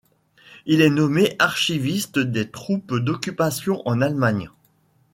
Il est nommé archiviste des troupes d'occupation en Allemagne.